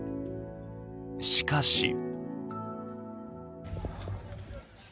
しかし。